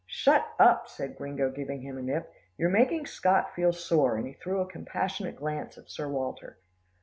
"Shut up," said Gringo giving him a nip, "you're making Scott feel sore," and he threw a compassionate glance at Sir Walter.